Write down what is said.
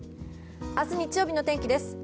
明日日曜日の天気です。